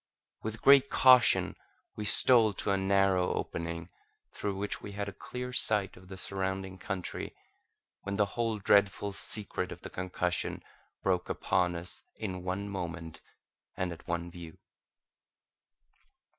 With great caution we stole to a narrow opening, through which we had a clear sight of the surrounding country, when the whole dreadful secret of the concussion broke upon us in one moment and at one view.